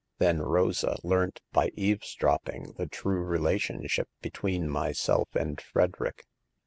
Then Rosa learnt, by eavesdropping, the true relationship between myself and Frederick.